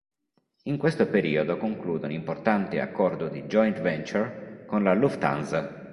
In questo periodo conclude un importante accordo di joint venture con la Lufthansa.